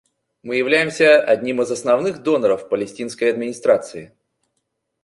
Мы являемся одним из основных доноров Палестинской администрации.